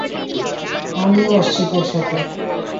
আমিও আসছি তোর সাথে।